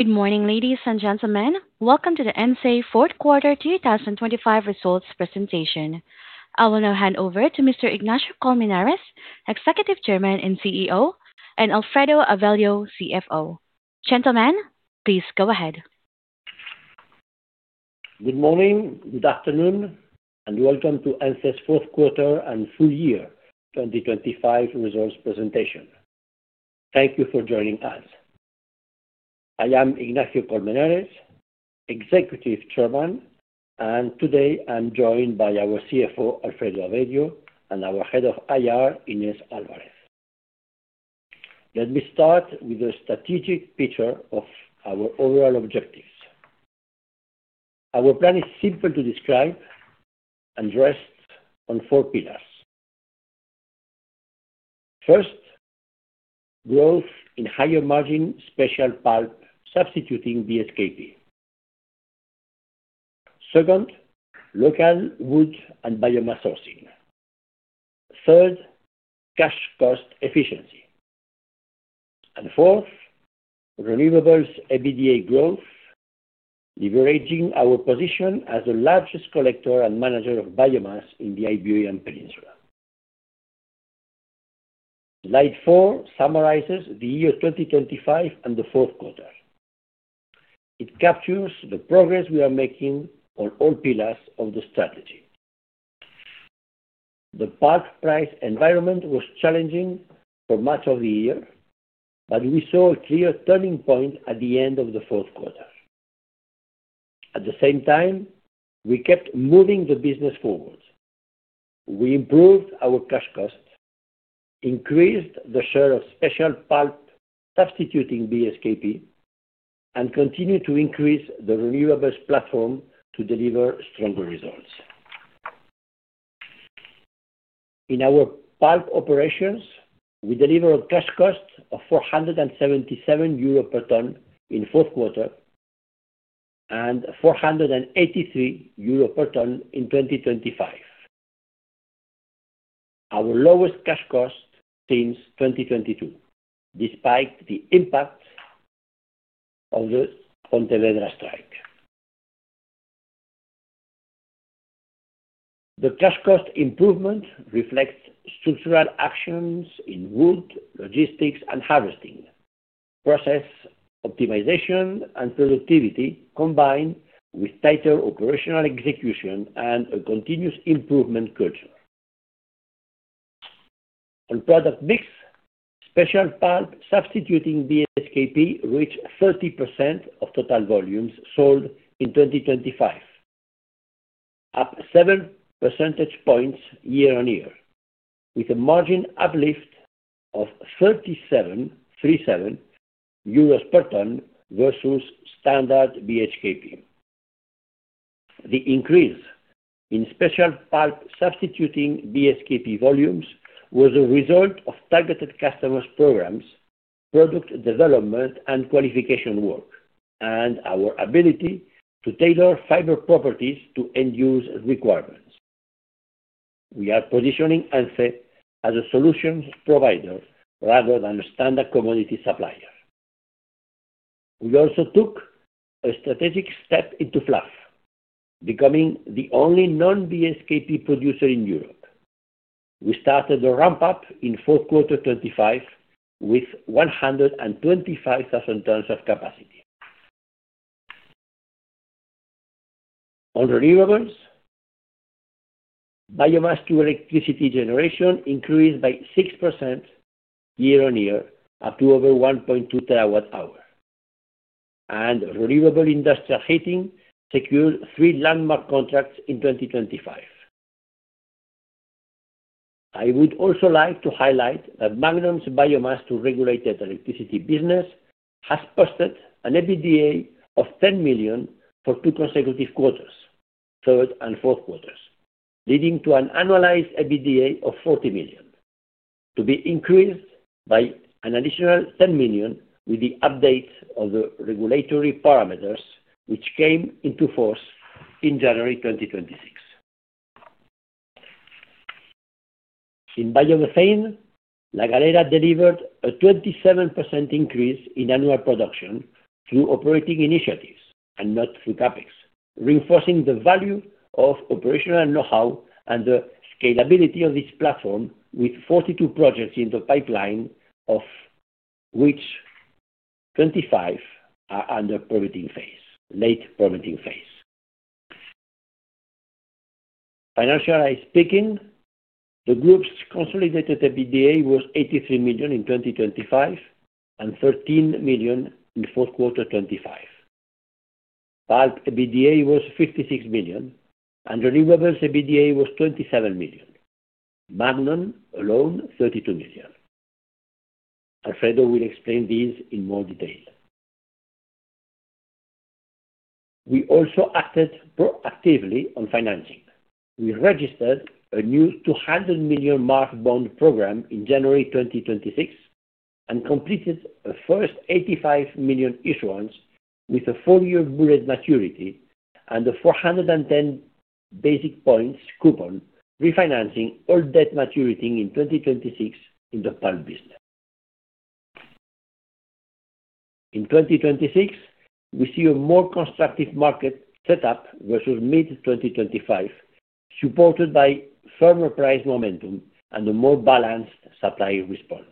Good morning, ladies and gentlemen. Welcome to the Ence fourth quarter 2025 results presentation. I will now hand over to Mr. Ignacio Colmenares, Executive Chairman and CEO, and Alfredo Avello, CFO. Gentlemen, please go ahead. Good morning, good afternoon, and welcome to Ence's fourth quarter and full year 2025 results presentation. Thank you for joining us. I am Ignacio Colmenares, Executive Chairman, and today I'm joined by our CFO, Alfredo Avello, and our Head of IR, Inés Álvarez. Let me start with a strategic picture of our overall objectives. Our plan is simple to describe and rests on four pillars. First, growth in higher margin special pulp, substituting BSKP. Second, local wood and biomass sourcing. Third, cash cost efficiency. Fourth, renewables EBITDA growth, leveraging our position as the largest collector and manager of biomass in the Iberian Peninsula. Slide four summarizes the year 2025 and the fourth quarter. It captures the progress we are making on all pillars of the strategy. The pulp price environment was challenging for much of the year, but we saw a clear turning point at the end of the fourth quarter. At the same time, we kept moving the business forward. We improved our cash costs, increased the share of special pulp, substituting BSKP, and continued to increase the renewables platform to deliver stronger results. In our pulp operations, we delivered cash costs of 477 euro per ton in fourth quarter, and 483 euro per ton in 2025. Our lowest cash cost since 2022, despite the impact of the Pontevedra strike. The cash cost improvement reflects structural actions in wood, logistics, and harvesting, process optimization and productivity, combined with tighter operational execution and a continuous improvement culture. On product mix, special pulp substituting BSKP reached 30% of total volumes sold in 2025, up 7 percentage points year-on-year, with a margin uplift of 37.37 euros per ton versus standard BHKP. The increase in special pulp substituting BSKP volumes was a result of targeted customers programs, product development, and qualification work, and our ability to tailor fiber properties to end-user requirements. We are positioning Ence as a solutions provider rather than a standard commodity supplier. We also took a strategic step into fluff, becoming the only non-BSKP producer in Europe. We started the ramp-up in fourth quarter 2025 with 125,000 tons of capacity. On renewables, biomass to electricity generation increased by 6% year-on-year, up to over 1.2 terawatt-hour, and renewable industrial heating secured three landmark contracts in 2025. I would also like to highlight that Magnon's biomass to regulated electricity business has posted an EBITDA of 10 million for two consecutive quarters, third and fourth quarters, leading to an annualized EBITDA of 40 million, to be increased by an additional 10 million with the updates of the regulatory parameters, which came into force in January 2026. In biomethane, La Galera delivered a 27% increase in annual production through operating initiatives and not through CapEx, reinforcing the value of operational know-how and the scalability of this platform with 42 projects in the pipeline, of which 25 are under permitting phase, late permitting phase. Financial speaking, the group's consolidated EBITDA was 83 million in 2025, and 13 million in fourth quarter 2025. Pulp EBITDA was 56 million, and Renewables EBITDA was 27 million. Magnon alone, 32 million. Alfredo will explain this in more detail. We also acted proactively on financing. We registered a new 200 million MARF bond program in January 2026, and completed the first 85 million issuance with a four-year bullet maturity and a 410 basis points coupon, refinancing all debt maturity in 2026 in the pulp business. In 2026, we see a more constructive market set up versus mid-2025, supported by firmer price momentum and a more balanced supply response.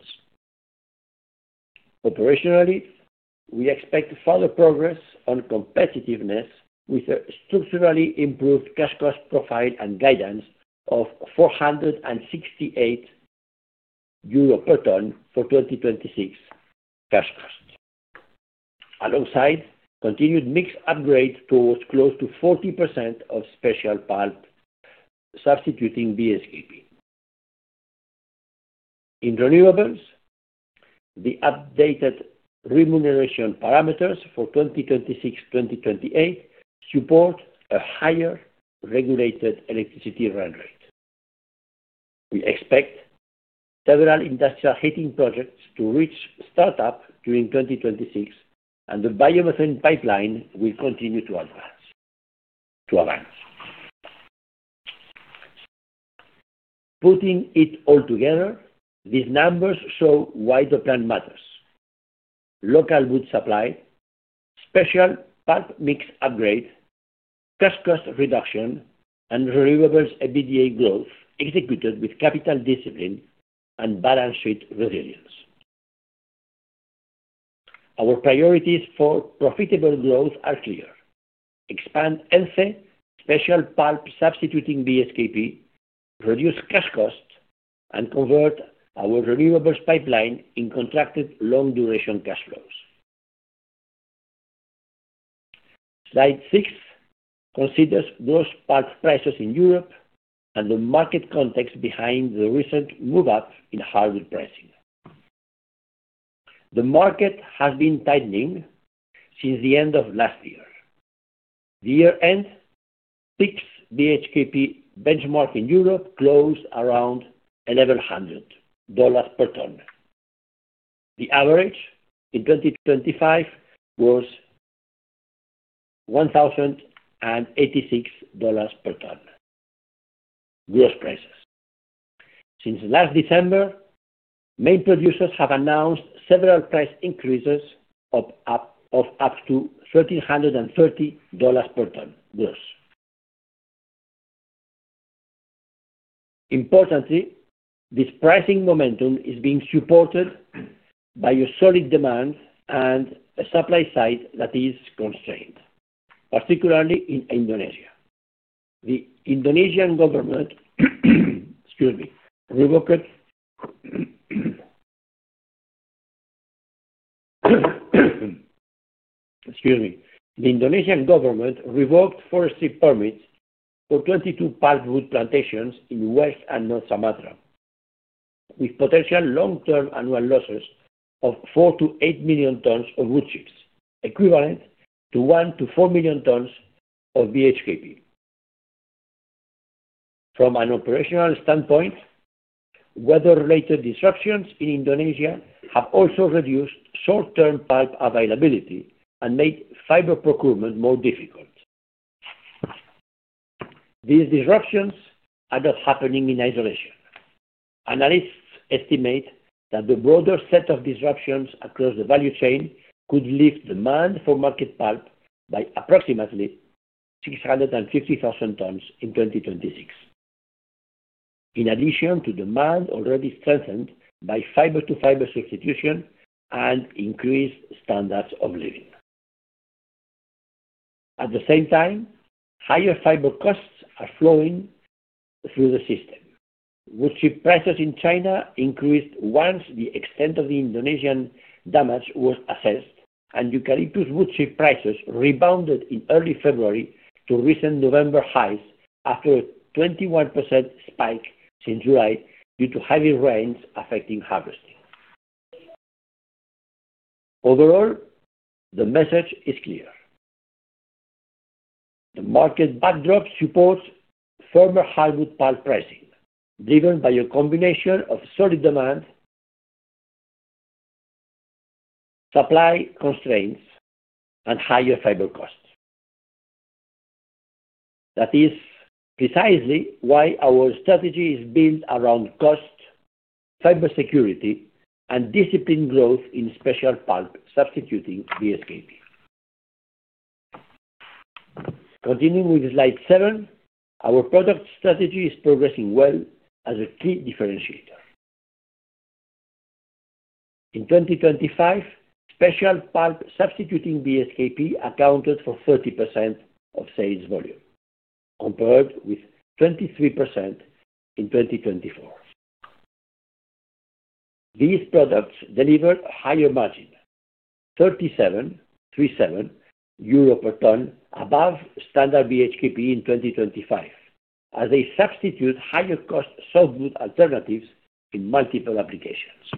Operationally, we expect further progress on competitiveness with a structurally improved cash cost profile and guidance of 468 euro per ton for 2026 cash costs. Alongside, continued mixed upgrades towards close to 40% of special pulp substituting BSKP. In renewables, the updated remuneration parameters for 2026-2028 support a higher regulated electricity run rate. We expect several industrial heating projects to reach startup during 2026, and the biomethane pipeline will continue to advance. Putting it all together, these numbers show why the plan matters. Local wood supply, special pulp mix upgrade, cash cost reduction, and renewables EBITDA growth executed with capital discipline and balance sheet resilience. Our priorities for profitable growth are clear. Expand Ence, special pulp substituting BSKP, reduce cash costs, and convert our renewables pipeline in contracted long-duration cash flows. Slide six considers gross pulp prices in Europe and the market context behind the recent move up in hardwood pricing. The market has been tightening since the end of last year. The year-end six BHKP benchmark in Europe closed around $1,100 per ton. The average in 2025 was $1,086 per ton gross prices. Since last December, main producers have announced several price increases of up to $1,330 per ton gross. Importantly, this pricing momentum is being supported by a solid demand and a supply side that is constrained, particularly in Indonesia. The Indonesian government revoked forestry permits for 22 pulp wood plantations in West and North Sumatra, with potential long-term annual losses of 4 million-8 million tons of wood chips, equivalent to 1 million-4 million tons of BHKP. From an operational standpoint, weather-related disruptions in Indonesia have also reduced short-term pulp availability and made fiber procurement more difficult. These disruptions are not happening in isolation. Analysts estimate that the broader set of disruptions across the value chain could lift demand for market pulp by approximately 650,000 tons in 2026, in addition to demand already strengthened by fiber-to-fiber substitution and increased standards of living. At the same time, higher fiber costs are flowing through the system. Wood chip prices in China increased once the extent of the Indonesian damage was assessed, and eucalyptus wood chip prices rebounded in early February to recent November highs after a 21% spike since July due to heavy rains affecting harvesting. Overall, the message is clear. The market backdrop supports firmer hardwood pulp pricing, driven by a combination of solid demand, supply constraints, and higher fiber costs. That is precisely why our strategy is built around cost, fiber security, and disciplined growth in special pulp substituting BHKP. Continuing with slide seven, our product strategy is progressing well as a key differentiator. In 2025, special pulp substituting BHKP accounted for 30% of sales volume, compared with 23% in 2024. These products deliver higher margin, EUR 37.37 per ton above standard BHKP in 2025, as they substitute higher cost softwood alternatives in multiple applications.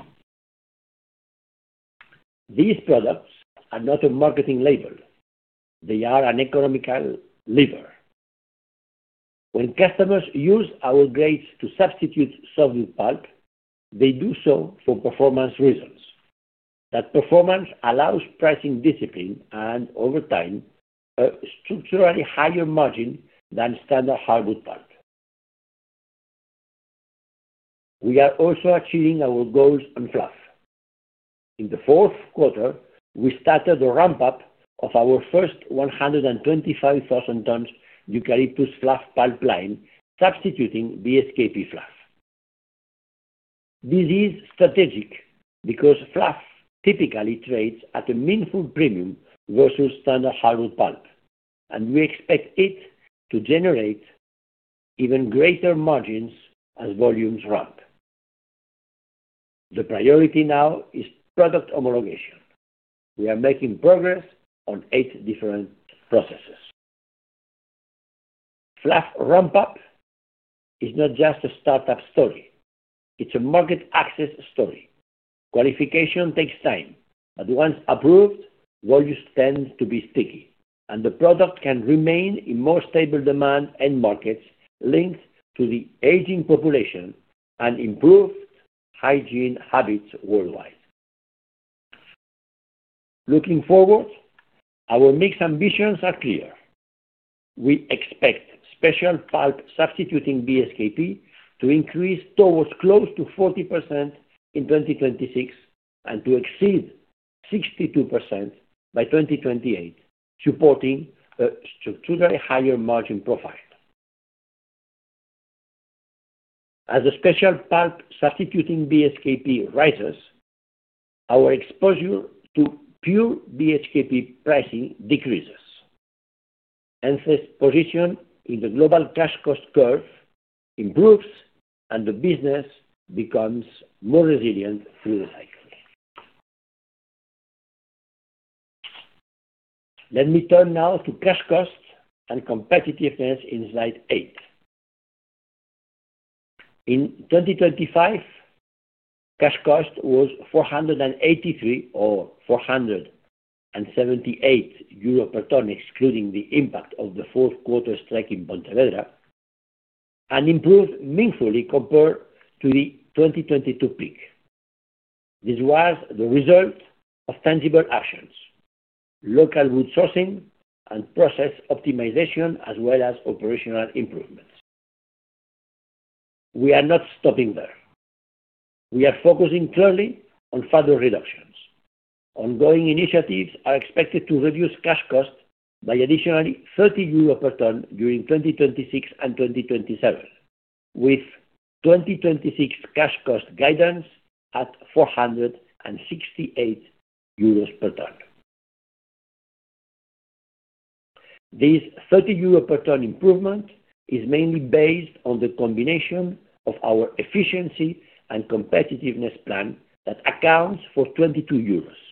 These products are not a marketing label. They are an economical lever. When customers use our grades to substitute softwood pulp, they do so for performance reasons. That performance allows pricing discipline and over time, a structurally higher margin than standard hardwood pulp. We are also achieving our goals on fluff. In the fourth quarter, we started the ramp-up of our first 125,000 tons eucalyptus fluff pulp line, substituting BSKP fluff. This is strategic because fluff typically trades at a meaningful premium versus standard hardwood pulp, and we expect it to generate even greater margins as volumes ramp. The priority now is product homologation. We are making progress on eight different processes. Fluff ramp-up is not just a startup story, it's a market access story. Qualification takes time, but once approved, volumes tend to be sticky, and the product can remain in more stable demand and markets linked to the aging population and improved hygiene habits worldwide. Looking forward, our mix ambitions are clear. We expect special pulp substituting BSKP to increase towards close to 40% in 2026, and to exceed 62% by 2028, supporting a structurally higher margin profile. As a special pulp substituting BSKP rises, our exposure to pure BSKP pricing decreases. Ence's position in the global cash cost curve improves, and the business becomes more resilient through the cycle. Let me turn now to cash costs and competitiveness in slide eight. In 2025, cash cost was 483 or 478 euro per ton, excluding the impact of the fourth quarter strike in Pontevedra, and improved meaningfully compared to the 2022 peak. This was the result of tangible actions, local wood sourcing and process optimization, as well as operational improvements. We are not stopping there. We are focusing clearly on further reductions. Ongoing initiatives are expected to reduce cash costs by additionally 30 euro per ton during 2026 and 2027, with 2026 cash cost guidance at 468 euros per ton. This 30 euro per ton improvement is mainly based on the combination of our efficiency and competitiveness plan that accounts for 22 euros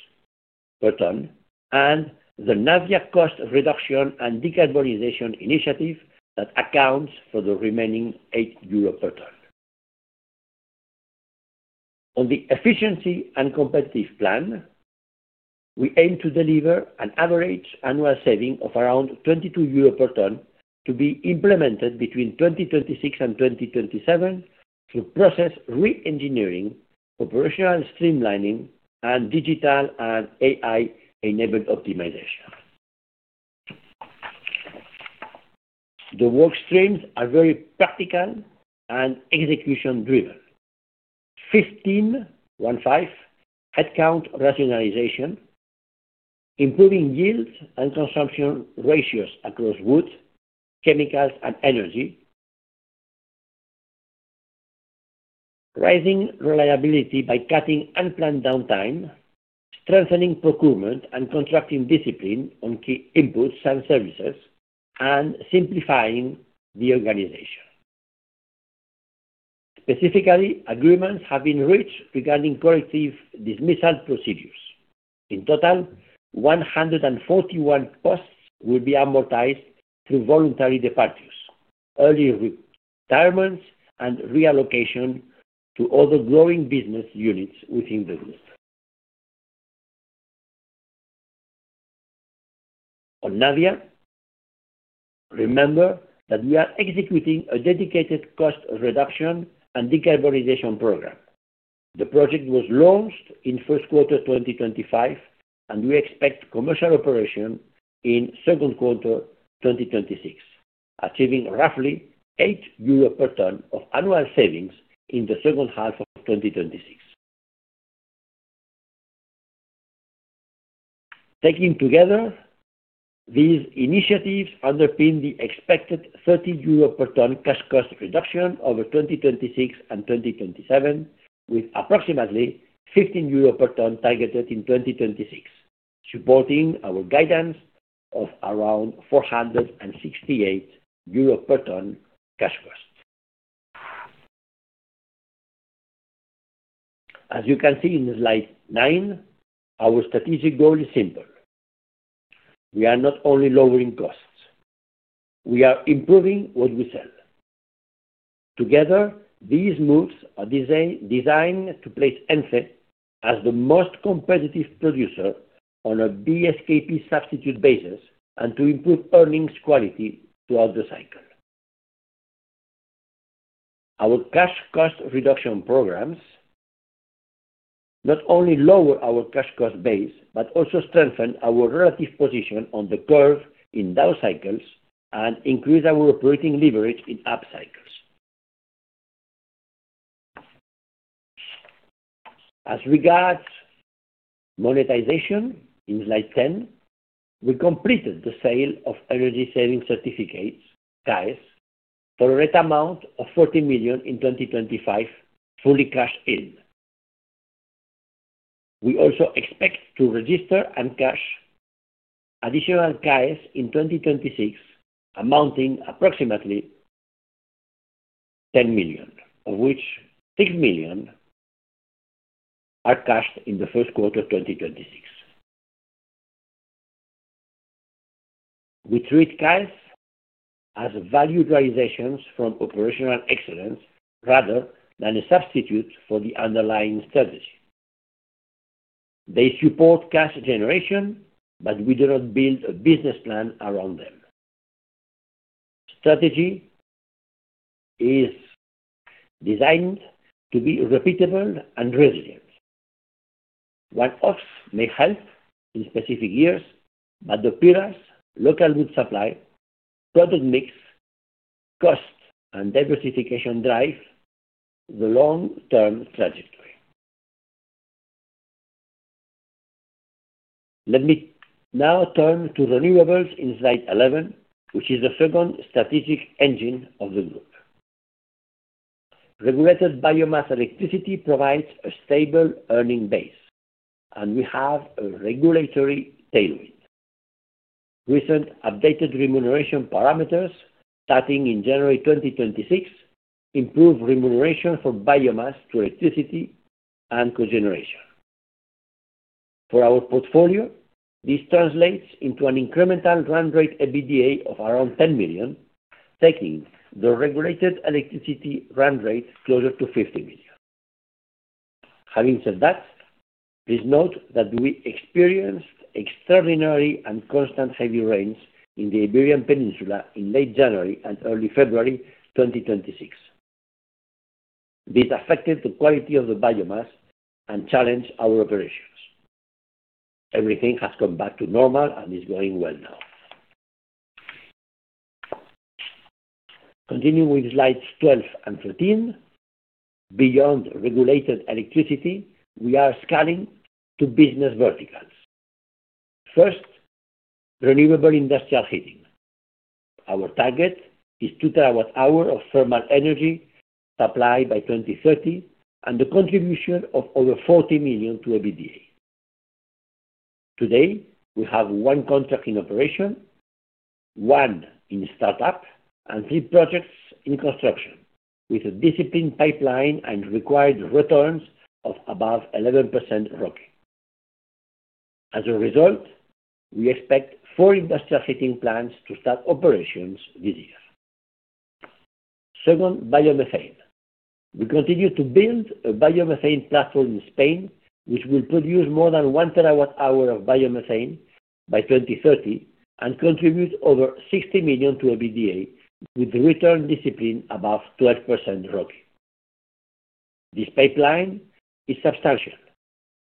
per ton, and the Navia cost reduction and decarbonization initiative that accounts for the remaining 8 euro per ton. On the efficiency and competitive plan, we aim to deliver an average annual saving of around 22 euros per ton, to be implemented between 2026 and 2027 through process reengineering, operational streamlining, and digital and AI-enabled optimization. The work streams are very practical and execution-driven. 15 headcount rationalization, improving yields and consumption ratios across wood, chemicals, and energy. Raising reliability by cutting unplanned downtime, strengthening procurement, and contracting discipline on key inputs and services, and simplifying the organization. Specifically, agreements have been reached regarding corrective dismissal procedures. In total, 141 posts will be amortized through voluntary departures, early retirements, and reallocation to other growing business units within the group. On Navia, remember that we are executing a dedicated cost reduction and decarbonization program. The project was launched in first quarter 2025, and we expect commercial operation in second quarter 2026, achieving roughly 8 euros per ton of annual savings in the second half of 2026. Taking together, these initiatives underpin the expected 30 euro per ton cash cost reduction over 2026 and 2027, with approximately 15 euro per ton targeted in 2026, supporting our guidance of around 468 euro per ton cash cost. As you can see in slide nine, our strategic goal is simple. We are not only lowering costs, we are improving what we sell. Together, these moves are designed to place Ence as the most competitive producer on a BSKP substitute basis, and to improve earnings quality throughout the cycle. Our cash cost reduction programs not only lower our cash cost base, but also strengthen our relative position on the curve in down cycles and increase our operating leverage in up cycles. As regards monetization, in slide 10, we completed the sale of energy saving certificates, CAEs, for a net amount of 40 million in 2025, fully cashed in. We also expect to register and cash additional CAEs in 2026, amounting approximately 10 million, of which 6 million are cashed in the first quarter of 2026. We treat CAEs as value realizations from operational excellence rather than a substitute for the underlying strategy. They support cash generation, we do not build a business plan around them. Strategy is designed to be repeatable and resilient. One-offs may help in specific years, but the pillars, local wood supply, product mix, cost, and diversification drive the long-term trajectory. Let me now turn to renewables in slide 11, which is the second strategic engine of the group. Regulated biomass electricity provides a stable earning base, and we have a regulatory tailwind. Recent updated remuneration parameters, starting in January 2026, improve remuneration for biomass to electricity and cogeneration. For our portfolio, this translates into an incremental run rate, EBITDA of around 10 million, taking the regulated electricity run rate closer to 50 million. Having said that, please note that we experienced extraordinary and constant heavy rains in the Iberian Peninsula in late January and early February 2026. This affected the quality of the biomass and challenged our operations. Everything has come back to normal and is going well now. Continuing with slides 12 and 13. Beyond regulated electricity, we are scaling to business verticals. First, renewable industrial heating. Our target is 2 terawatt-hour of thermal energy supply by 2030, and the contribution of over 40 million to EBITDA. Today, we have 1 contract in operation, 1 in startup, and 3 projects in construction, with a disciplined pipeline and required returns of above 11% ROCE. As a result, we expect 4 industrial heating plants to start operations this year. Second, biomethane. We continue to build a biomethane platform in Spain, which will produce more than 1 terawatt-hour of biomethane by 2030, and contribute over 60 million to EBITDA, with return discipline above 12% ROCE. This pipeline is substantial,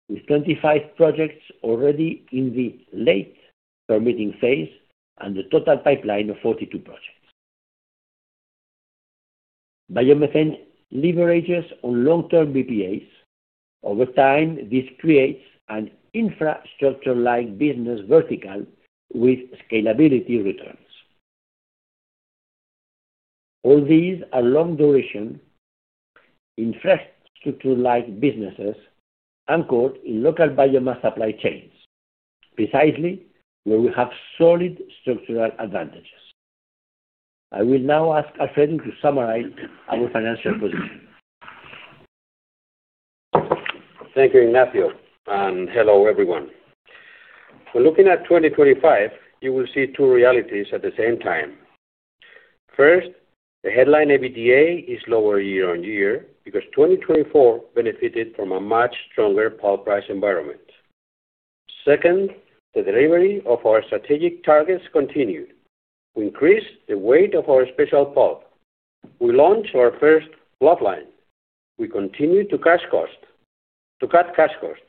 with 25 projects already in the late permitting phase and a total pipeline of 42 projects. Biomethane leverages on long-term BPAs. Over time, this creates an infrastructure-like business vertical with scalability returns. All these are long duration infrastructure-like businesses, anchored in local biomass supply chains, precisely where we have solid structural advantages. I will now ask Alfredo to summarize our financial position. Thank you, Ignacio, and hello, everyone. When looking at 2025, you will see two realities at the same time. First, the headline EBITDA is lower year-over-year because 2024 benefited from a much stronger pulp price environment. Second, the delivery of our strategic targets continued. We increased the weight of our special pulp. We launched our first pulp line. We continued to cut cash cost,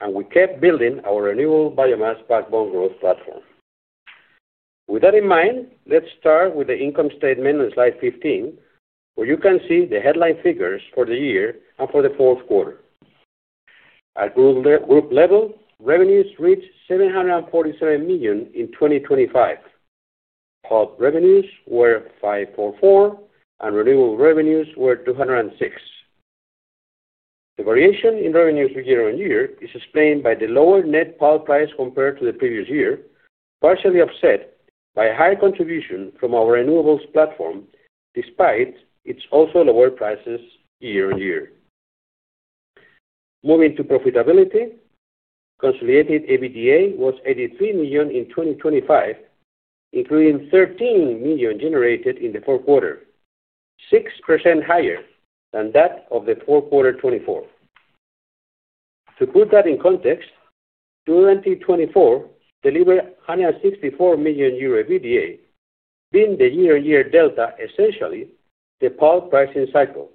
and we kept building our renewable biomass backbone growth platform. With that in mind, let's start with the income statement on slide 15, where you can see the headline figures for the year and for the fourth quarter. At group level, revenues reached 747 million in 2025. Pulp revenues were 544, and renewable revenues were 206. The variation in revenues year-on-year is explained by the lower net pulp price compared to the previous year, partially offset by higher contribution from our renewables platform, despite its also lower prices year-on-year. Moving to profitability, consolidated EBITDA was 83 million in 2025, including 13 million generated in the fourth quarter, 6% higher than that of the fourth quarter 2024. To put that in context, 2024 delivered 164 million euro EBITDA, being the year-on-year delta, essentially, the pulp pricing cycle,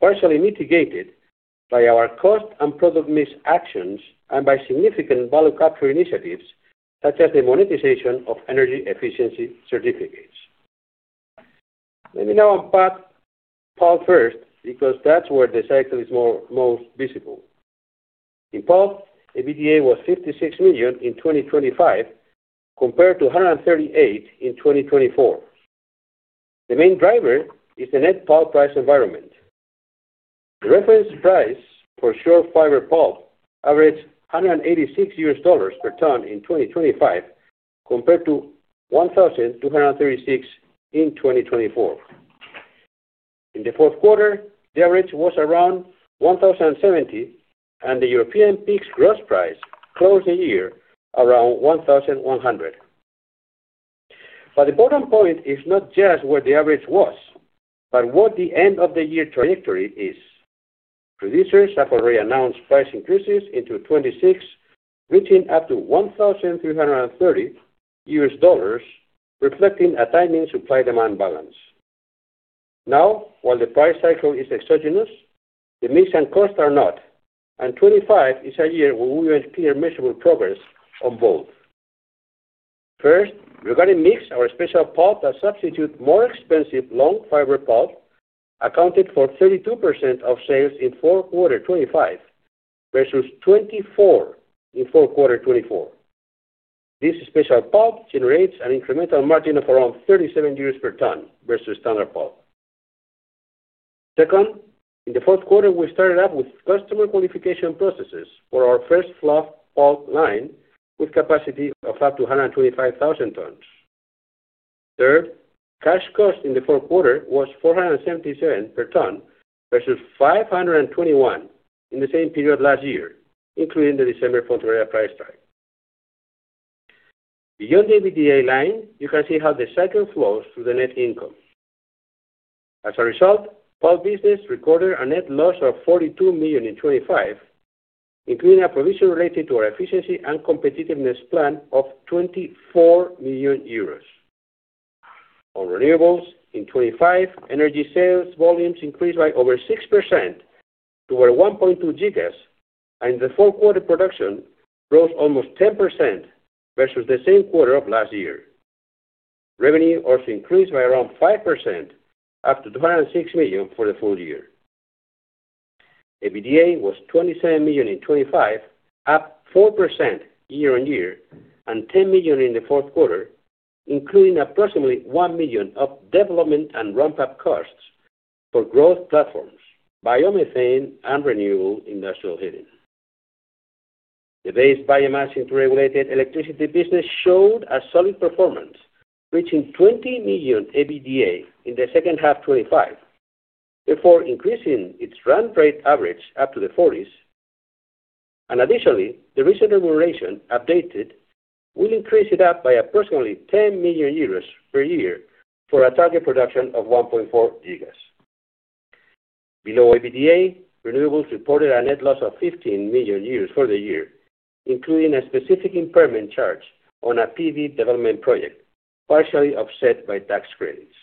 partially mitigated by our cost and product mix actions and by significant value capture initiatives, such as the monetization of energy efficiency certificates. Let me now unpack pulp first, because that's where the cycle is most visible. In pulp, EBITDA was 56 million in 2025, compared to 138 million in 2024. The main driver is the net pulp price environment. The reference price for short fiber pulp averaged $186 per ton in 2025, compared to $1,236 in 2024. In the fourth quarter, the average was around $1,070, and the European PIX gross price closed the year around $1,100. The bottom point is not just what the average was, but what the end of the year trajectory is. Producers have already announced price increases into 2026, reaching up to $1,330, reflecting a timing supply-demand balance. While the price cycle is exogenous, the mix and cost are not, and 2025 is a year where we will see a measurable progress on both. First, regarding mix, our special pulp that substitute more expensive long fiber pulp, accounted for 32% of sales in Q4 2025, versus 24% in Q4 2024. This special pulp generates an incremental margin of around 37 euros per ton versus standard pulp. Second, in the fourth quarter, we started up with customer qualification processes for our first fluff pulp line, with capacity of up to 125,000 tons. Third, cash cost in the fourth quarter was 477 per ton, versus 521 in the same period last year, including the December pulp price strike. Beyond the EBITDA line, you can see how the cycle flows through the net income. As a result, pulp business recorded a net loss of 42 million in 2025, including a provision related to our efficiency and competitiveness plan of 24 million euros. On renewables in 2025, energy sales volumes increased by over 6% to over 1.2 GW, the full quarter production rose almost 10% versus the same quarter of last year. Revenue also increased by around 5%, up to 206 million for the full year. EBITDA was 27 million in 2025, up 4% year-on-year, 10 million in the fourth quarter, including approximately 1 million of development and ramp-up costs for growth platforms, biomethane and renewable industrial heating. The base biomass into regulated electricity business showed a solid performance, reaching 20 million EBITDA in the second half 2025, therefore increasing its run rate average up to the 40s. Additionally, the recent regulation updated will increase it up by approximately 10 million euros per year for a target production of 1.4 GW. Below EBITDA, renewables reported a net loss of 15 million euros for the year, including a specific impairment charge on a PV development project, partially offset by tax credits.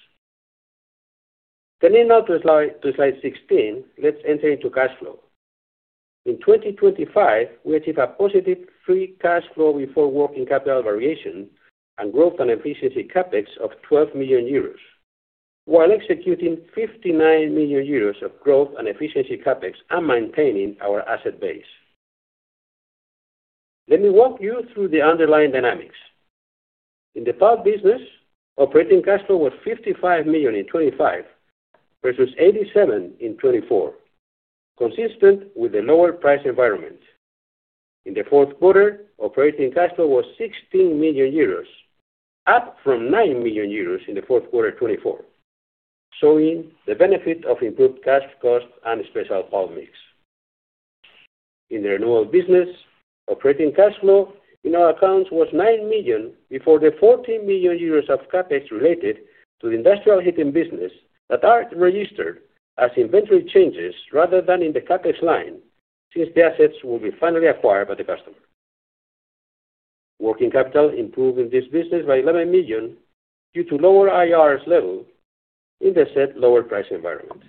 Turning now to slide 16, let's enter into cash flow. In 2025, we achieved a positive free cash flow before working capital variation and growth and efficiency CapEx of 12 million euros, while executing 59 million euros of growth and efficiency CapEx and maintaining our asset base. Let me walk you through the underlying dynamics. In the pulp business, operating cash flow was 55 million in 2025, versus 87 million in 2024, consistent with the lower price environment. In the fourth quarter, operating cash flow was 16 million euros, up from 9 million euros in the fourth quarter 2024, showing the benefit of improved cash cost and special pulp mix. In the renewal business, operating cash flow in our accounts was 9 million before the 14 million euros of CapEx related to the industrial heating business that are registered as inventory changes rather than in the CapEx line, since the assets will be finally acquired by the customer. Working capital improved in this business by 11 million due to lower IRs level in the said lower price environment.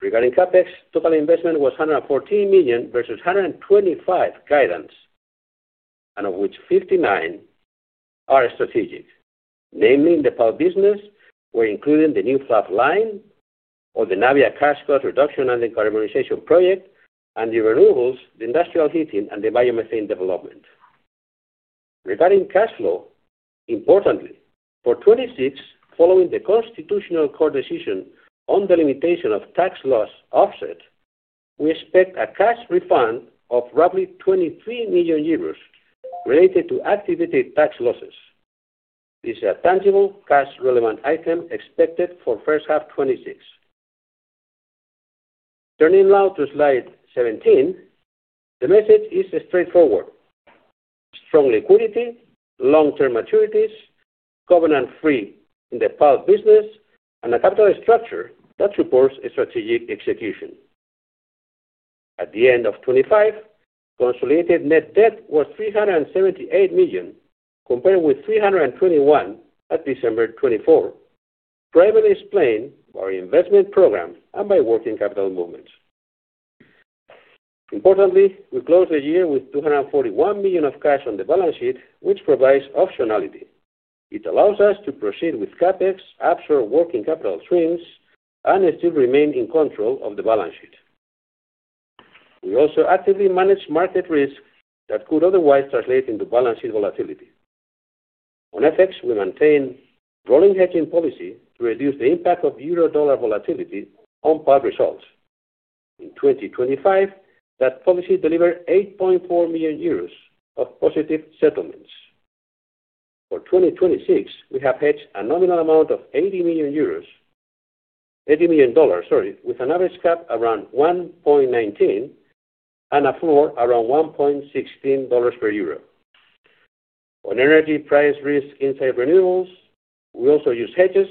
Regarding CapEx, total investment was 114 million versus 125 million guidance. Of which 59 million are strategic. Namely, in the pulp business, we're including the new fluff line or the Navia cash cost reduction and the carbonization project, and the renewables, the industrial heating, and the biomethane development. Regarding cash flow, importantly, for 2026, following the Constitutional Court decision on the limitation of tax loss offset, we expect a cash refund of roughly 23 million euros related to activity tax losses. This is a tangible cash relevant item expected for first half 2026. Turning now to slide 17, the message is straightforward. Strong liquidity, long-term maturities, covenant-free in the pulp business, and a capital structure that supports a strategic execution. At the end of 2025, consolidated net debt was 378 million, compared with 321 million at December 2024. Primarily explained by our investment program and by working capital movements. Importantly, we closed the year with 241 million of cash on the balance sheet, which provides optionality. It allows us to proceed with CapEx after working capital trends and still remain in control of the balance sheet. We also actively manage market risks that could otherwise translate into balance sheet volatility. On FX, we maintain a rolling hedging policy to reduce the impact of euro-dollar volatility on pulp results. In 2025, that policy delivered 8.4 million euros of positive settlements. For 2026, we have hedged a nominal amount of 80 million euros, $80 million, sorry, with an average cap around 1.19 and a floor around 1.16 dollars per EUR. On energy price risk inside renewals, we also use hedges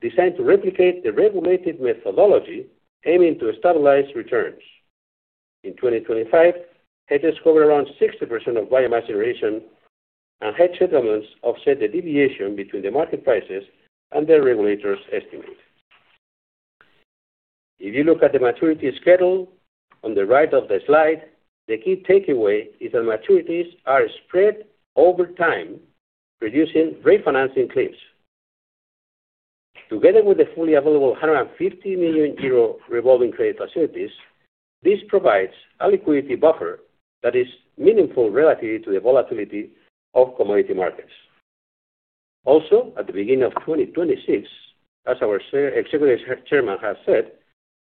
designed to replicate the regulated methodology, aiming to stabilize returns. In 2025, hedges covered around 60% of biomass generation, and hedge settlements offset the deviation between the market prices and the regulators' estimate. If you look at the maturity schedule on the right of the slide, the key takeaway is that maturities are spread over time, reducing refinancing claims. Together with the fully available 150 million euro revolving credit facilities, this provides a liquidity buffer that is meaningful relative to the volatility of commodity markets. At the beginning of 2026, as our Executive Chairman has said,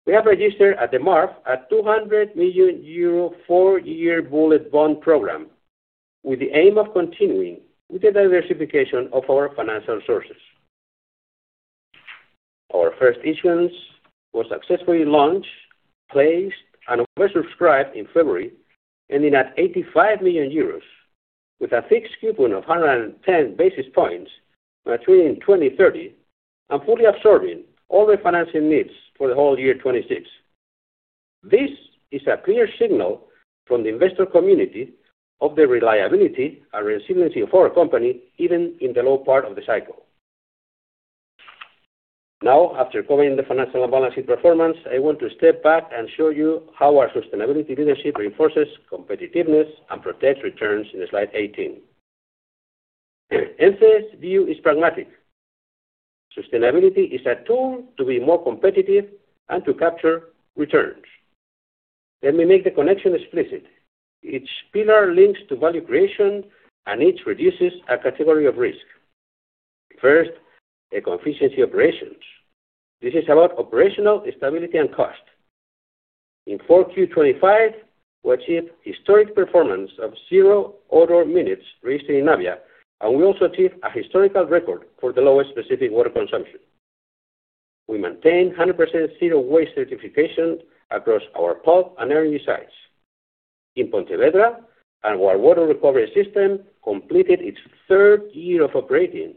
we have registered at the market a 200 million euro four-year bullet bond program, with the aim of continuing with the diversification of our financial resources. Our first issuance was successfully launched, placed, and oversubscribed in February, ending at 85 million euros, with a fixed coupon of 110 basis points maturing in 2030, and fully absorbing all the financing needs for the whole year 2026. This is a clear signal from the investor community of the reliability and resiliency of our company, even in the low part of the cycle. After covering the financial and balance sheet performance, I want to step back and show you how our sustainability leadership reinforces competitiveness and protects returns in the slide 18. Ence's view is pragmatic. Sustainability is a tool to be more competitive and to capture returns. Let me make the connection explicit. Each pillar links to value creation, each reduces a category of risk. First, eco-efficiency operations. This is about operational stability and cost. In 4Q 2025, we achieved historic performance of zero odor minutes raised in Navia, we also achieved a historical record for the lowest specific water consumption. We maintain 100% zero waste certification across our pulp and energy sites. In Pontevedra, our water recovery system completed its third year of operating,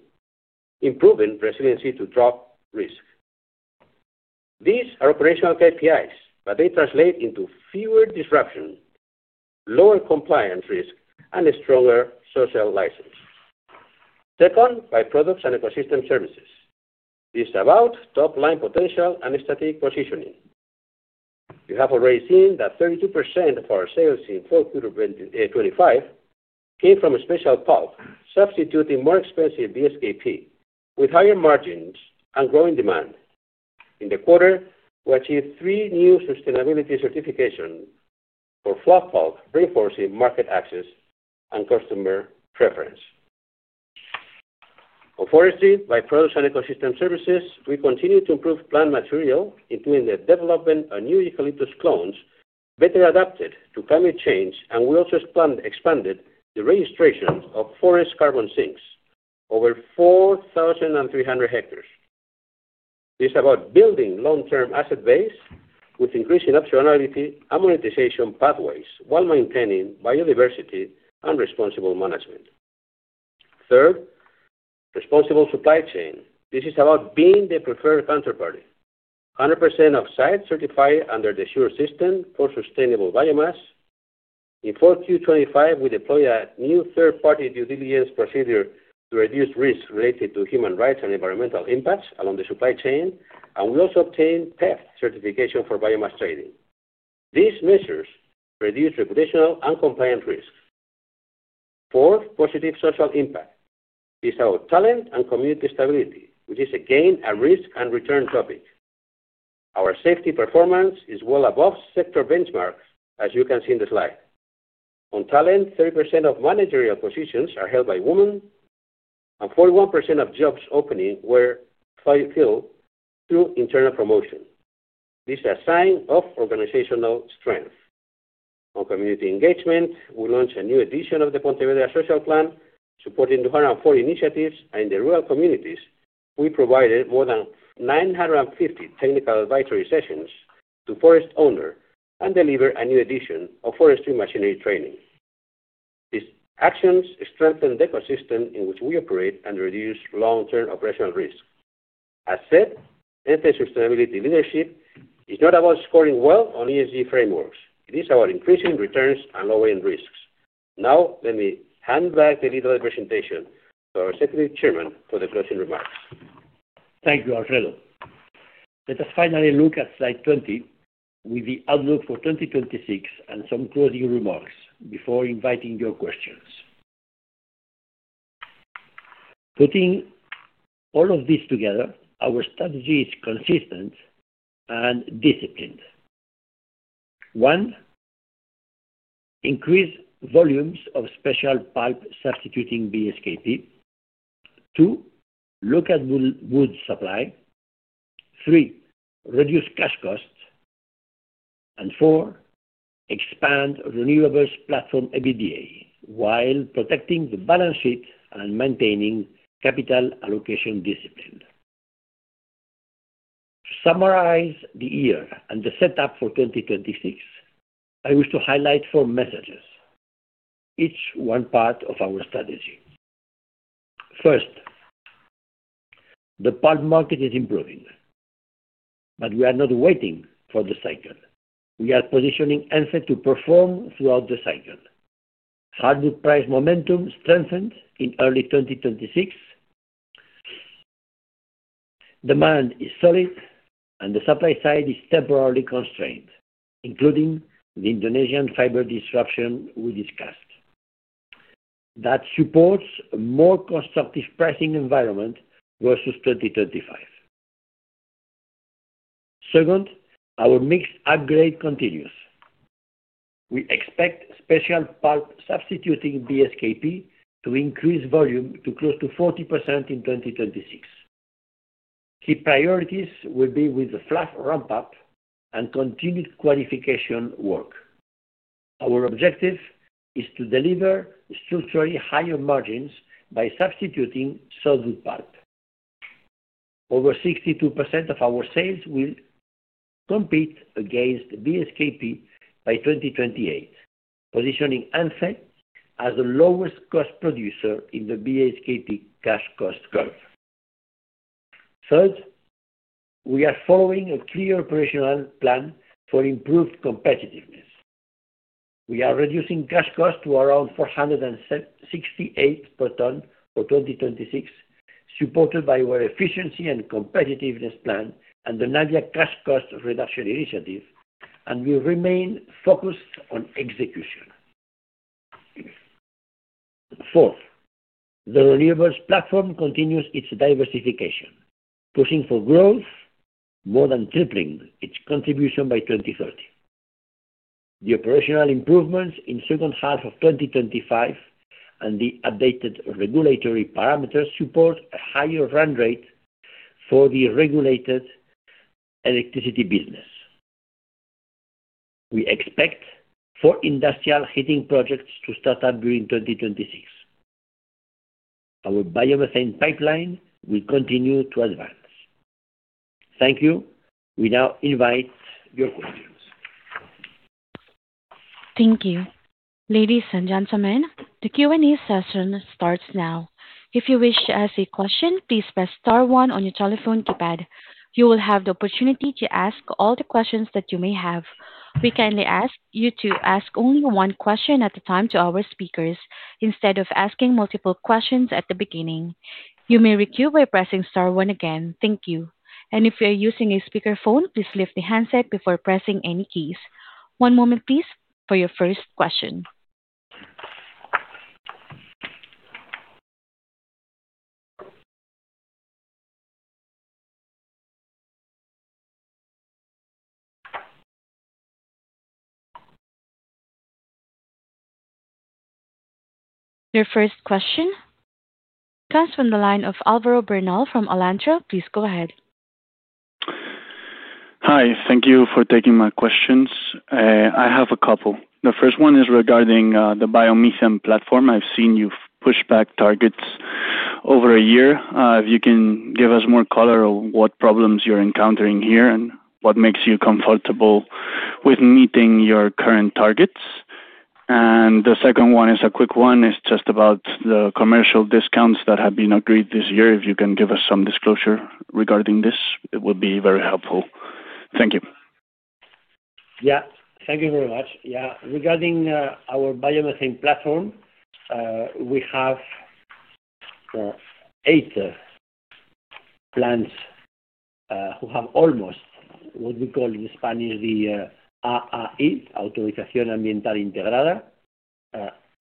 improving resiliency to draught risk. These are operational KPIs, but they translate into fewer disruptions, lower compliance risk, and a stronger social license. Second, byproducts and ecosystem services. This is about top-line potential and strategic positioning. You have already seen that 32% of our sales in 4Q 2025 came from a special pulp, substituting more expensive BSKP with higher margins and growing demand. In the quarter, we achieved three new sustainability certifications for fluff pulp, reinforcing market access and customer preference. On forestry, byproducts, and ecosystem services, we continue to improve plant material, including the development of new eucalyptus clones better adapted to climate change, and we also expanded the registration of forest carbon sinks over 4,300 hectares. This is about building long-term asset base with increasing optionality and monetization pathways, while maintaining biodiversity and responsible management. Third, responsible supply chain. This is about being the preferred counterparty. 100% of sites certified under the SURE system for sustainable biomass. In 4Q 2025, we deployed a new third-party due diligence procedure to reduce risks related to human rights and environmental impacts along the supply chain, and we also obtained PEFC certification for biomass trading. These measures reduce reputational and compliance risks. Fourth, positive social impact. This is our talent and community stability, which is, again, a risk and return topic. Our safety performance is well above sector benchmark, as you can see in the slide. On talent, 30% of managerial positions are held by women, and 41% of jobs opening were filled through internal promotion. This is a sign of organizational strength. On community engagement, we launched a new edition of the Pontevedra Social Plan, supporting 240 initiatives. In the rural communities, we provided more than 950 technical advisory sessions to forest owner and deliver a new edition of forestry machinery training. These actions strengthen the ecosystem in which we operate and reduce long-term operational risk. As said, Ence sustainability leadership is not about scoring well on ESG frameworks. It is about increasing returns and lowering risks. Let me hand back the lead of the presentation to our Executive Chairman for the closing remarks. Thank you, Alfredo. Let us finally look at slide 20, with the outlook for 2026 and some closing remarks before inviting your questions. Putting all of this together, our strategy is consistent and disciplined. One, increase volumes of special pulp substituting BSKP. Two, look at wood supply. Three, reduce cash costs. Four, expand renewables platform EBITDA, while protecting the balance sheet and maintaining capital allocation discipline. To summarize the year and the setup for 2026, I wish to highlight four messages, each one part of our strategy. First, the pulp market is improving. We are not waiting for the cycle. We are positioning Ence to perform throughout the cycle. Hardwood price momentum strengthened in early 2026. Demand is solid. The supply side is temporarily constrained, including the Indonesian fiber disruption we discussed. That supports a more constructive pricing environment versus 2025. Second, our mix upgrade continues. We expect special pulp substituting BSKP to increase volume to close to 40% in 2026. Key priorities will be with the fluff ramp-up and continued qualification work. Our objective is to deliver structurally higher margins by substituting softwood pulp. Over 62% of our sales will compete against BSKP by 2028, positioning Ence as the lowest cost producer in the BSKP cash cost curve. Third, we are following a clear operational plan for improved competitiveness. We are reducing cash costs to around 468 per ton for 2026, supported by our efficiency and competitiveness plan and the Navia cash cost reduction initiative, and we remain focused on execution. Fourth, the renewables platform continues its diversification, pushing for growth, more than tripling its contribution by 2030. The operational improvements in second half of 2025 and the updated regulatory parameters support a higher run rate for the regulated electricity business. We expect four industrial heating projects to start up during 2026. Our biomethane pipeline will continue to advance. Thank you. We now invite your questions. Thank you. Ladies and gentlemen, the Q&A session starts now. If you wish to ask a question, please press star one on your telephone keypad. You will have the opportunity to ask all the questions that you may have. We kindly ask you to ask only one question at a time to our speakers, instead of asking multiple questions at the beginning. You may queue by pressing star one again. Thank you. If you are using a speakerphone, please lift the handset before pressing any keys. One moment, please, for your first question. Your first question comes from the line of Alvaro Bernal from Alantra. Please go ahead. Hi, thank you for taking my questions. I have a couple. The first one is regarding the biomethane platform. I've seen you push back targets over a year. If you can give us more color on what problems you're encountering here and what makes you comfortable with meeting your current targets. The second one is a quick one. It's just about the commercial discounts that have been agreed this year. If you can give us some disclosure regarding this, it would be very helpful. Thank you. Yeah. Thank you very much. Yeah. Regarding our biomethane platform, we have eight plants who have almost what we call in Spanish, the AAI, Autorización Ambiental Integrada.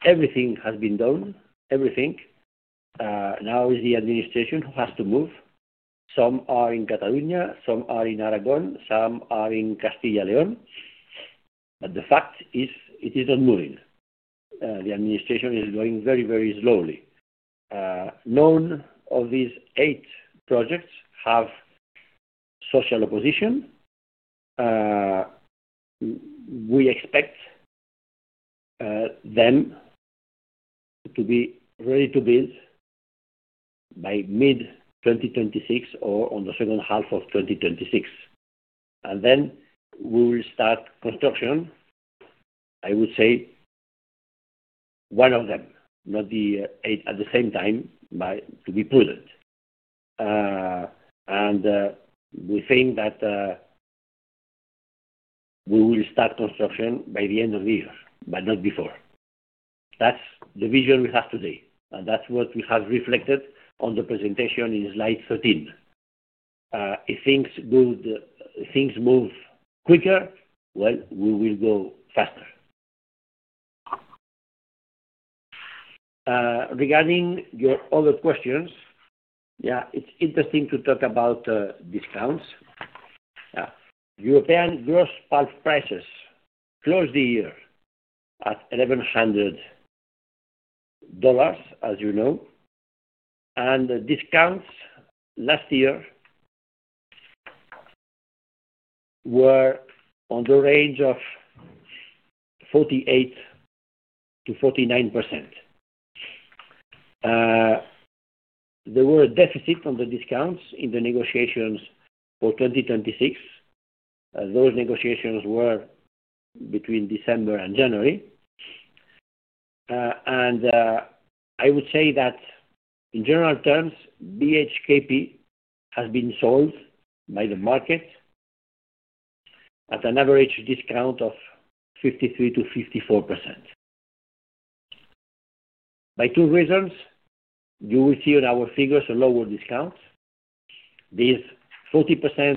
Everything has been done. Everything. Now is the administration who has to move. Some are in Catalonia, some are in Aragon, some are in Castilla y León. The fact is, it is not moving. The administration is going very, very slowly. None of these eight projects have social opposition. We expect them to be ready to build by mid 2026 or on the second half of 2026. Then we will start construction, I would say one of them, not the eight at the same time, but to be prudent. We think that we will start construction by the end of the year, but not before. That's the vision we have today, that's what we have reflected on the presentation in slide 13. If things move quicker, well, we will go faster. Regarding your other questions, yeah, it's interesting to talk about discounts. Yeah. European gross pulp prices closed the year at $1,100, as you know, the discounts last year were on the range of 48%-49%. There were a deficit on the discounts in the negotiations for 2026, as those negotiations were between December and January. I would say that in general terms, BHKP has been sold by the market at an average discount of 53%-54%. By two reasons, you will see on our figures a lower discount. This 40%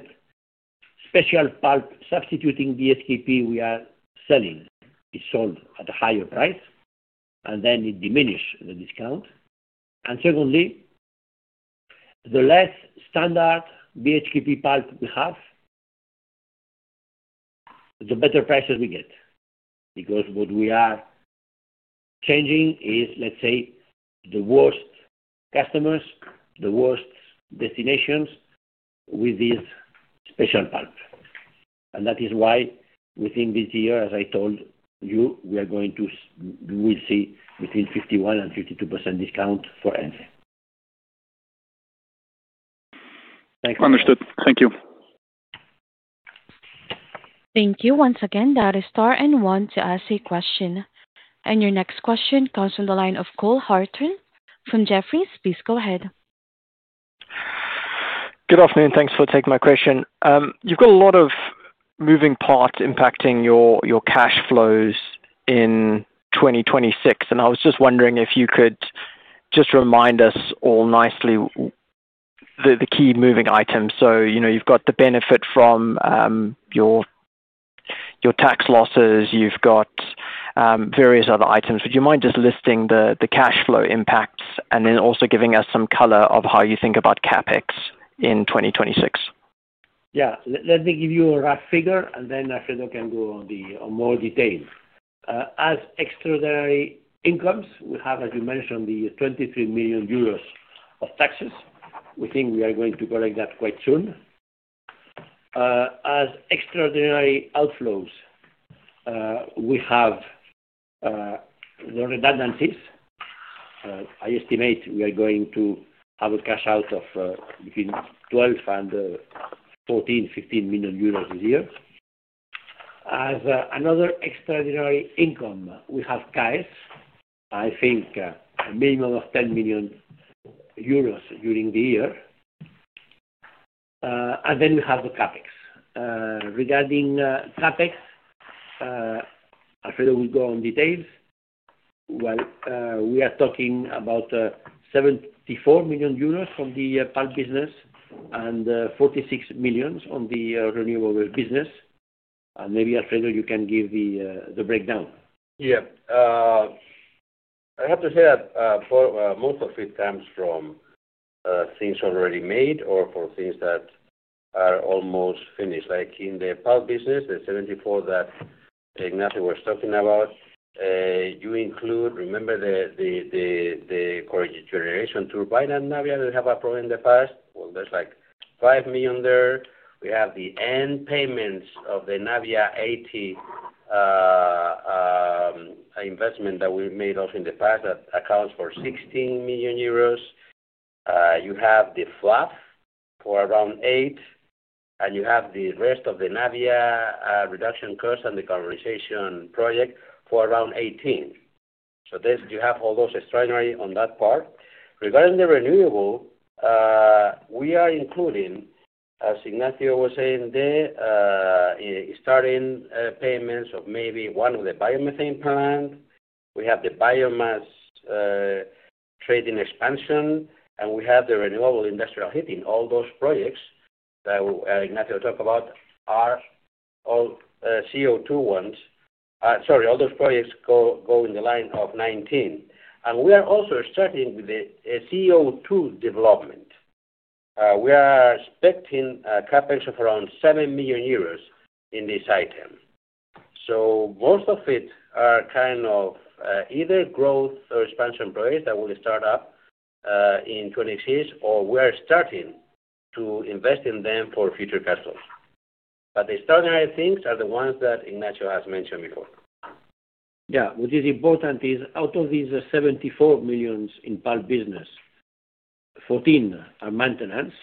special pulp substituting BHKP we are selling, is sold at a higher price, and then it diminish the discount. Secondly, the less standard BHKP pulp we have, the better prices we get, because what we are changing is, let's say, the worst customers, the worst destinations with this special pulp. That is why within this year, as I told you, we will see between 51% and 52% discount for entry. Understood. Thank you. Thank you. Once again, that is star and one to ask a question. Your next question comes from the line of Cole Hathorn from Jefferies. Please go ahead. Good afternoon. Thanks for taking my question. You've got a lot of moving parts impacting your cash flows in 2026. I was just wondering if you could just remind us all nicely, the key moving items. You know, you've got the benefit from your tax losses, you've got various other items. Would you mind just listing the cash flow impacts and then also giving us some color of how you think about CapEx in 2026? Let me give you a rough figure, and then Alfredo can go on more detail. As extraordinary incomes, we have, as you mentioned, the 23 million euros of taxes. We think we are going to collect that quite soon. As extraordinary outflows, we have the redundancies. I estimate we are going to have a cash out of between 12 million and 14 million-15 million euros this year. As another extraordinary income, we have CAEs, I think, a minimum of 10 million euros during the year. We have the CapEx. Regarding CapEx, Alfredo will go on details. Well, we are talking about 74 million euros from the pulp business and 46 million on the renewable business. Maybe, Alfredo, you can give the breakdown. I have to say that, for most of it comes from things already made or for things that are almost finished. Like in the pulp business, the 74 that Ignacio was talking about, you include, remember the core generation turbine and Navia that have a problem in the past? Well, there's like 5 million there. We have the end payments of the Navia 80 investment that we made also in the past that accounts for 16 million euros. You have the fluff for around 8 million, and you have the rest of the Navia reduction costs and the conversion project for around 18 million. This, you have all those extraordinary on that part. Regarding the renewable, we are including, as Ignacio was saying, the starting payments of maybe one of the biomethane plant. We have the biomass trading expansion, and we have the renewable industrial heating. All those projects that Ignacio talked about are all CO2 ones. Sorry, all those projects go in the line of 19. We are also starting with a CO2 development. We are expecting a CapEx of around 7 million euros in this item. Most of it are kind of either growth or expansion projects that will start up in 2026, or we are starting to invest in them for future customers. The extraordinary things are the ones that Ignacio has mentioned before. Yeah, what is important is out of these 74 million in pulp business, 14 million are maintenance.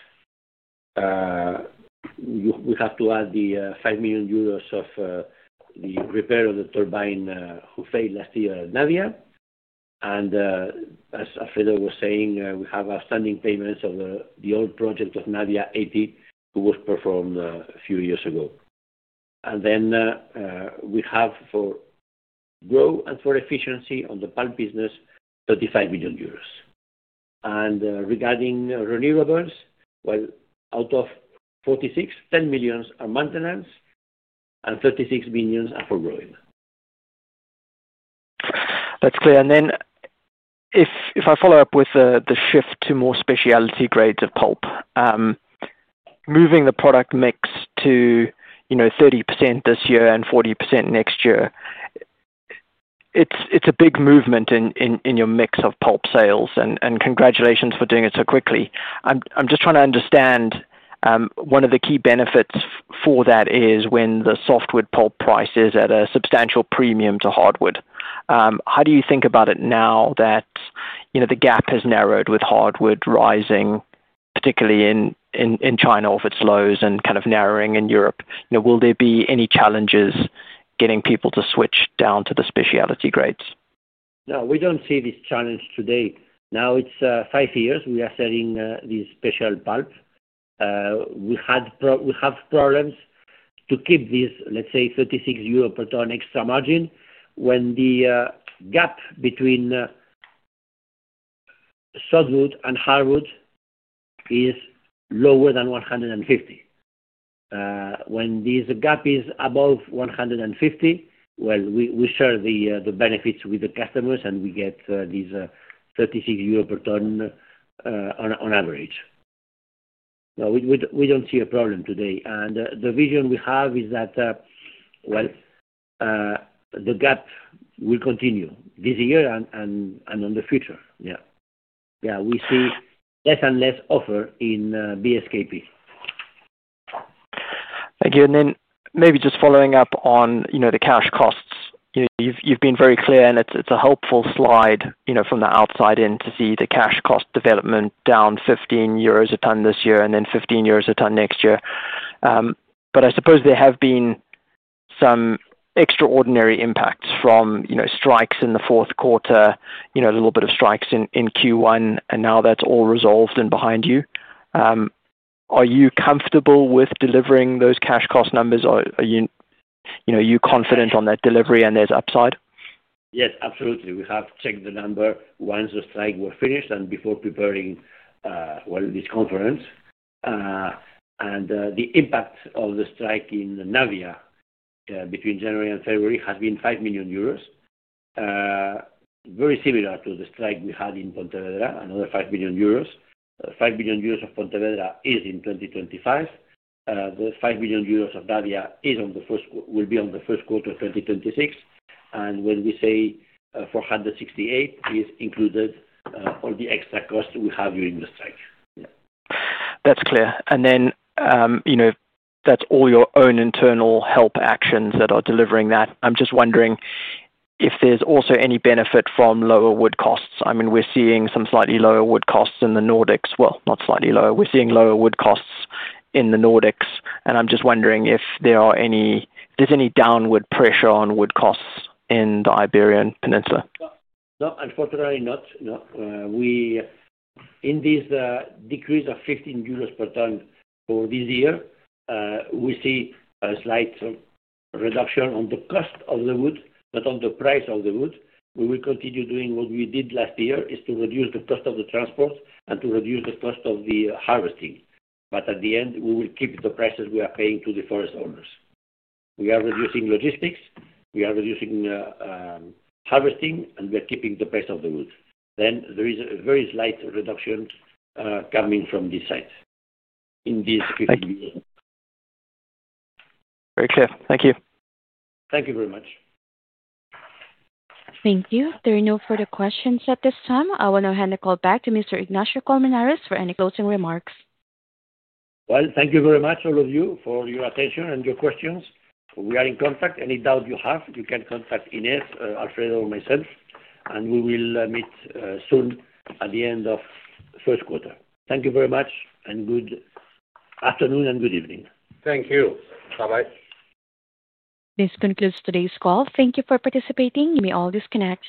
we have to add the 5 million euros of the repair of the turbine, who failed last year at Navia. As Alfredo was saying, we have outstanding payments of the old project of Navia 80, who was performed a few years ago. we have for growth and for efficiency on the pulp business, 35 million euros. regarding renewables, well, out of 46 million, 10 million are maintenance, 36 million are for growing. That's clear. If I follow up with the shift to more speciality grades of pulp, moving the product mix to, you know, 30% this year and 40% next year, it's a big movement in your mix of pulp sales, and congratulations for doing it so quickly. I'm just trying to understand, one of the key benefits for that is when the softwood pulp price is at a substantial premium to hardwood. How do you think about it now that, you know, the gap has narrowed with hardwood rising, particularly in China, off its lows and kind of narrowing in Europe? You know, will there be any challenges getting people to switch down to the speciality grades? No, we don't see this challenge today. Now, it's five years we are selling this special pulp. We have problems to keep this, let's say, 36 euro per ton extra margin, when the gap between softwood and hardwood is lower than 150. When this gap is above 150, well, we share the benefits with the customers, and we get these 36 euro per ton on average. No, we don't see a problem today, and the vision we have is that, well, the gap will continue this year and on the future. Yeah, we see less and less offer in BSKP. Thank you. Then maybe just following up on, you know, the cash costs. You know, you've been very clear, and it's a helpful slide, you know, from the outside in to see the cash cost development down 15 euros a ton this year and then 15 euros a ton next year. I suppose there have been some extraordinary impacts from, you know, strikes in the fourth quarter, you know, a little bit of strikes in Q1, and now that's all resolved and behind you. Are you comfortable with delivering those cash cost numbers, or are you know, are you confident on that delivery and there's upside? Yes, absolutely. We have checked the number once the strike were finished and before preparing this conference. The impact of the strike in Navia between January and February has been 5 million euros. Very similar to the strike we had in Pontevedra, another 5 million euros. 5 million euros of Pontevedra is in 2025. The 5 million euros of Navia will be on the first quarter of 2026. When we say 468, is included all the extra costs we have during the strike. Yeah. That's clear. you know, that's all your own internal help actions that are delivering that. I'm just wondering if there's also any benefit from lower wood costs. I mean, we're seeing some slightly lower wood costs in the Nordics. Well, not slightly lower. We're seeing lower wood costs in the Nordics, and I'm just wondering if there's any downward pressure on wood costs in the Iberian Peninsula? No, unfortunately not. No. In this decrease of 15 euros per ton for this year, we see a slight reduction on the cost of the wood. On the price of the wood, we will continue doing what we did last year, is to reduce the cost of the transport and to reduce the cost of the harvesting. At the end, we will keep the prices we are paying to the forest owners. We are reducing logistics, we are reducing harvesting, and we are keeping the price of the wood. There is a very slight reduction coming from this side in this 15 years. Very clear. Thank you. Thank you very much. Thank you. There are no further questions at this time. I want to hand the call back to Mr. Ignacio Colmenares for any closing remarks. Well, thank you very much all of you for your attention and your questions. We are in contact. Any doubt you have, you can contact Ines, Alfredo, or myself, and we will meet soon at the end of first quarter. Thank you very much, and good afternoon, and good evening. Thank you. Bye-bye. This concludes today's call. Thank you for participating. You may all disconnect.